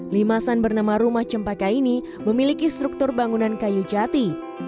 limasan bernama rumah cempaka ini memiliki struktur bangunan kayu jati